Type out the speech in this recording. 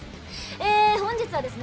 ええ本日はですね